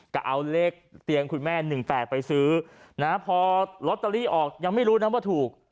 ก็เอาเลขเตียงคุณแม่๑๘ไปซื้อนะพอลอตเตอรี่ออกยังไม่รู้นะว่าถูก